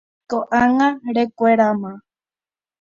Ko'ág̃a rekueráma.